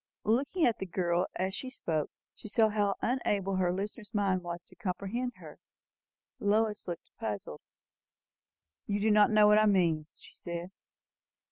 Looking at the girl, as she spoke, she saw how unable her listener's mind was to comprehend her. Lois looked puzzled. "You do not know what I mean?" she said.